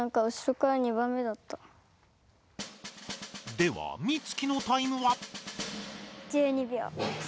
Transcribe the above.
ではミツキのタイムは？